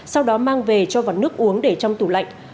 sau đó mang về cho vọt nước uống để trong tủ lạnh